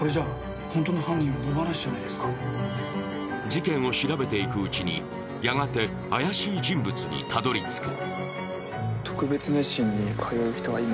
事件を調べていくうちに、やがて怪しい人物にたどり着く。